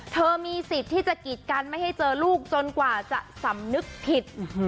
เธอมีสิทธิ์ที่จะกีดกันไม่ให้เจอลูกจนกว่าจะสำนึกผิด